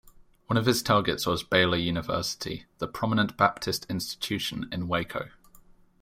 One of his targets was Baylor University, the prominent Baptist institution in Waco.